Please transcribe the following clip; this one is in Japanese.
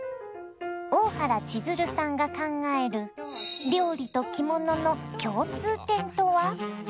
大原千鶴さんが考える料理と着物の共通点とは？